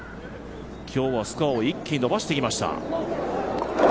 今日はスコアを一気に伸ばしてきました。